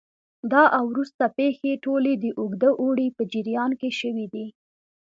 دا او وروسته پېښې ټولې د اوږده اوړي په جریان کې شوې دي